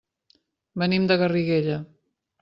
Venim de Garriguella.